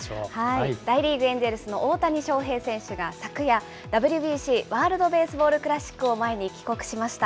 大リーグ・エンジェルスの大谷翔平選手が昨夜、ＷＢＣ・ワールドベースボールクラシックを前に帰国しました。